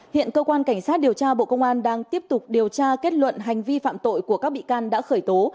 hiện cơ quan cảnh sát điều tra bộ công an đang tiếp tục điều tra kết luận hành vi phạm tội của các bị can đã khởi tố